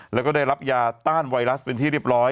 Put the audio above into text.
แล้วก็ได้รับยาต้านไวรัสเป็นที่เรียบร้อย